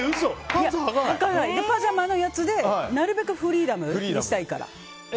パジャマのやつでなるべくフリーダムにしたいから。